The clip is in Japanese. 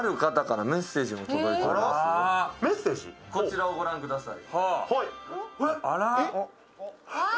こちらをご覧ください。